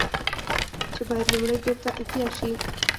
چې بايد لومړی بېرته احياء شي